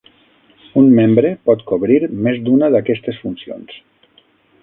Un membre pot cobrir més d'una d'aquestes funcions.